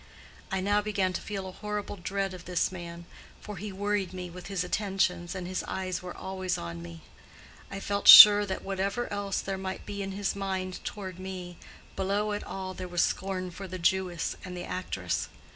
I now began to feel a horrible dread of this man, for he worried me with his attentions, his eyes were always on me: I felt sure that whatever else there might be in his mind toward me, below it all there was scorn for the Jewess and the actress.